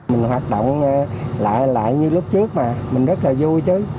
mình hoạt động lại lại như lúc trước mà mình rất là vui chứ